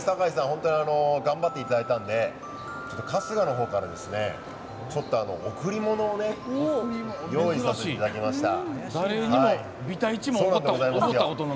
本当に頑張っていただいたんで春日の方からちょっと贈り物を用意させていただきました。